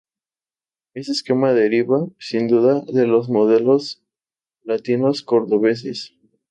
Este esquema deriva, sin duda, de los modelos palatinos cordobeses.